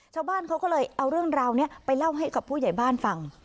ชาวบ้านเขาก็เลยเอาเรื่องราวนี้ไปเล่าให้กับผู้ใหญ่บ้านฟัง